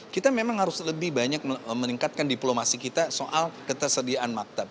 kita memang harus lebih banyak meningkatkan diplomasi kita soal ketersediaan maktab